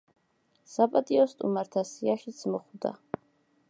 საპატიო სტუმართა სიაშიც მოხვდა.